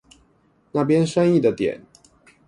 那邊生意的點